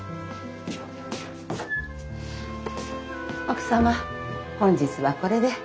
奥様本日はこれで。